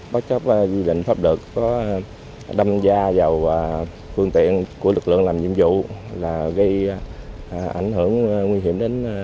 bất chấp quy định pháp luật có đâm da vào phương tiện của lực lượng làm nhiệm vụ là gây ảnh hưởng nguy hiểm đến